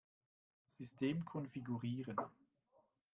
System konfigurieren.